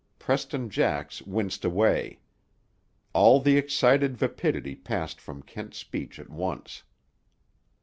Preston Jax winced away. All the excited vapidity passed from Kent's speech at once.